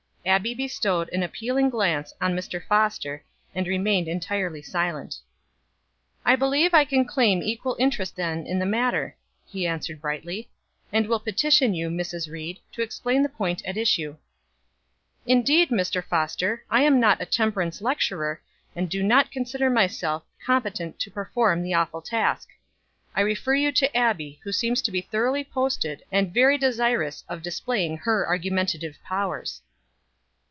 Abbie bestowed an appealing glance on Mr. Foster, and remained entirely silent. "I believe I can claim equal interest then in the matter," he answered brightly. "And will petition you, Mrs. Ried, to explain the point at issue." "Indeed, Mr. Foster, I'm not a temperance lecturer, and do not consider myself competent to perform the awful task. I refer you to Abbie, who seems to be thoroughly posted, and very desirous of displaying her argumentative powers."